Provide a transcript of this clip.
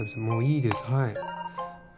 もういいですはい。